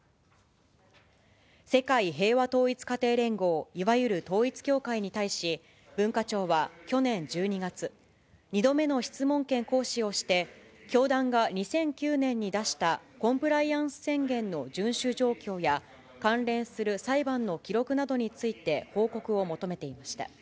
世界平和統一家庭連合、いわゆる統一教会に対し、文化庁は去年１２月、２度目の質問権行使をして、教団が２００９年に出したコンプライアンス宣言の順守状況や、関連する裁判の記録などについて報告を求めていました。